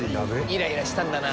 イライラしたんだな。